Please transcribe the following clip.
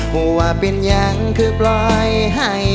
เพราะว่าเป็นอย่างคือปล่อยให้